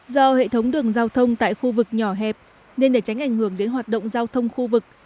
do hệ thống đường giao thông tại khu vực nhỏ hẹp nên để tránh ảnh hưởng đến hoạt động giao thông khu vực